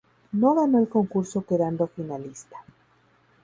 No ganó el concurso, quedando finalista.